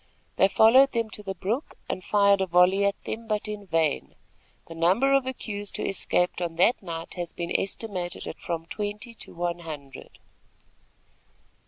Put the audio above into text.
They followed them to the brook, and fired a volley at them, but in vain. The number of accused who escaped on that night, has been estimated at from twenty to one hundred.